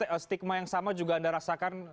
baik bang novel stigma yang sama juga anda rasakan